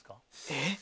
えっ？